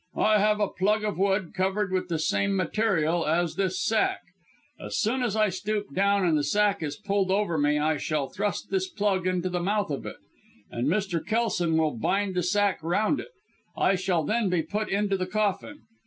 "I have a plug of wood covered with the same material as this sack. As soon as I stoop down and the sack is pulled over me I shall thrust this plug into the mouth of it and Mr. Kelson will bind the sack round it. I shall then be put into the coffin.